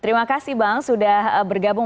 terima kasih bang sudah bergabung